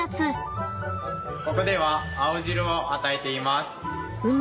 ここでは青汁を与えています。